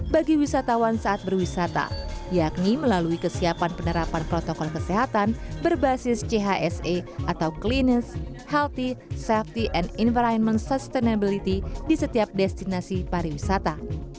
bagi wisatawan saat berwisata yakni melalui kesiapan penerapan protokol kesehatan berbasis chse atau cleans healthy safety and environment sustainability di setiap destinasi pariwisata